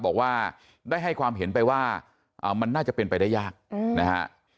บอกว่าได้ให้ความเห็นไปว่ามันน่าจะเป็นไปได้ยากนะฮะ